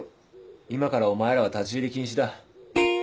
今からお前らは立ち入り禁止だ。